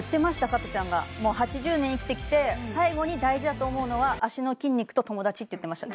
加トちゃんがもう８０年生きてきて最後に大事だと思うのは脚の筋肉と友達って言ってました